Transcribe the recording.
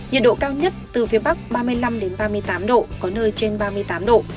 nhiệt độ cao nhất từ phía bắc ba mươi năm ba mươi tám độ có nơi trên ba mươi tám độ